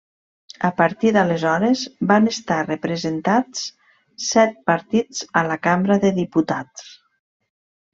A partir d'aleshores, van estar representats set partits a la Cambra de Diputats.